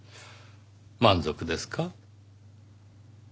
満足ですか？